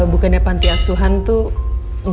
bukannya pantiasuhan tuh